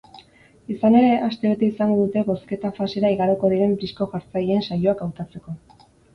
Izan ere, astebete izango dute bozketa fasera igaroko diren disko-jartzaileen saioak hautatzeko.